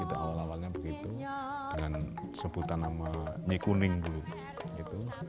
awal awalnya begitu dengan sebutan nama nyikuning dulu